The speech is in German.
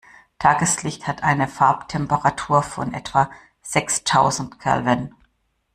Tageslicht hat eine Farbtemperatur von etwa sechstausend Kelvin.